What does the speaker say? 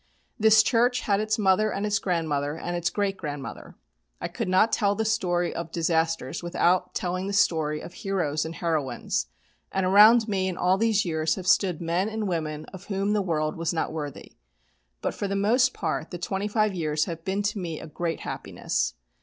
This church had its mother and its grandmother, and its great grandmother. I could not tell the story of disasters without telling the story of heroes and heroines, and around me in all these years have stood men and women of whom the world was not worthy. But for the most part the twenty five years have been to me a great happiness.